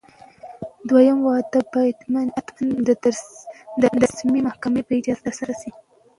دویم واده باید حتماً د رسمي محکمې په اجازه ترسره شي.